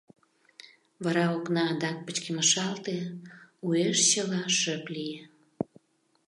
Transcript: Вара окна адак пычкемышалте, уэш чыла шып лие.